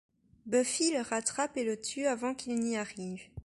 Buffy le rattrape et le tue avant qu'il n'y arrive.